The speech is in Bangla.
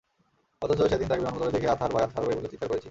অথচ সেদিন তাঁকে বিমানবন্দরে দেখেই আতহার ভাই, আতহার ভাই বলে চিৎকার করেছি।